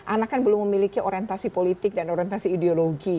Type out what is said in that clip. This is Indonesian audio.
anak kan belum memiliki orientasi politik dan orientasi ideologi